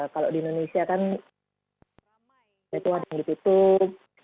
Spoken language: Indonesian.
kalau di indonesia kan ada yang ditutup